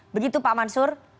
begitu pak mansur